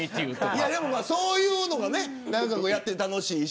そういうのはやって楽しいし。